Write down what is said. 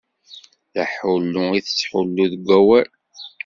D aḥullu i tettḥullu deg wawal.